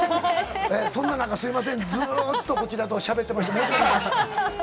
そんな中、すみません、ずーっとこちらとしゃべってました。